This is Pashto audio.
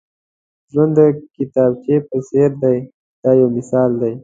ژوند د کتابچې په څېر دی دا یو مثال دی.